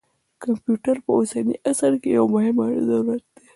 کمپیوټر په اوسني عصر کې یو مهم ضرورت دی.